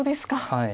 はい。